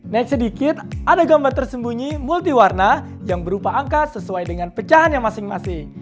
naik sedikit ada gambar tersembunyi multi warna yang berupa angka sesuai dengan pecahan yang masing masing